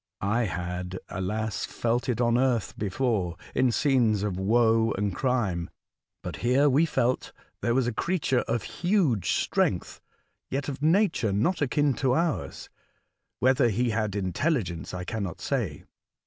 I had, alas ! felt it on earth before, in scenes of woe and crime. But here we felt there was a creature of huge strength, yet of nature not akin to ours. Whether he had intelligence I cannot say.